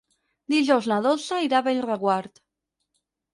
Dijous na Dolça irà a Bellreguard.